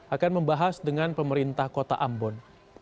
akan membahas dengan pemerintah kota ambon